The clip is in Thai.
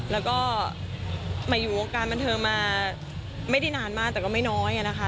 แล้วก็มาอยู่วงการบันเทิงมาไม่ได้นานมากแต่ก็ไม่น้อยนะคะ